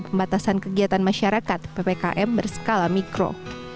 pembatasan kegiatan masyarakat ppkm berskala mikro